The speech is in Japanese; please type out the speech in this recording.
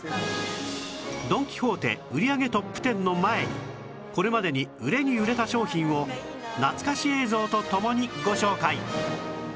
ドン・キホーテ売り上げトップ１０の前にこれまでに売れに売れた商品を懐かし映像と共にご紹介